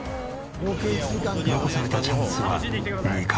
残されたチャンスは２回。